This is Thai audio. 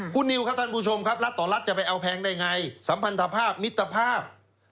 คุณนิวครับท่านผู้ชมครับรัฐต่อรัฐจะไปเอาแพงได้ไงสัมพันธภาพมิตรภาพ